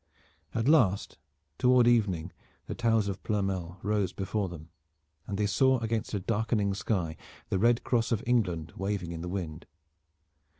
At last toward evening the towers of Ploermel rose before them and they saw against a darkening sky the Red Cross of England waving in the wind.